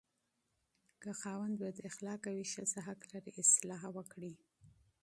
که خاوند بداخلاقه وي، ښځه حق لري اصلاح وکړي.